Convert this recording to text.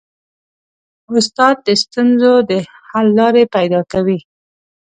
استاد د ستونزو حل لارې پیدا کوي.